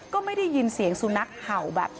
ก็ไม่ได้ยินเสียงสุนัขเห่าแบบ